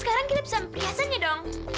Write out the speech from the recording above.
sekarang kita bisa memperhiasannya dong